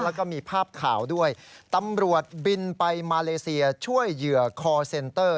แล้วก็มีภาพข่าวด้วยตำรวจบินไปมาเลเซียช่วยเหยื่อคอร์เซนเตอร์